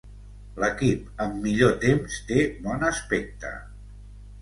L'equip amb millor temps té bon aspecte.